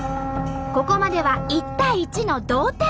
ここまでは１対１の同点。